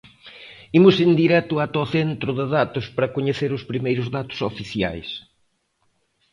Imos en directo ata o centro de datos para coñecer os primeiros datos oficiais.